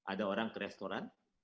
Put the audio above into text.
ada orang ke restoran